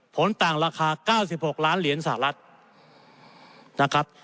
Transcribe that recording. ผลต่างราคา๙๖ล้านเหรียญสหรัฐนะครับ